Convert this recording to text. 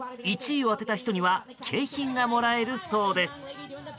１位を当てた人には景品がもらえるそうです。